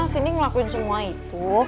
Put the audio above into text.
cindy ngelakuin semua itu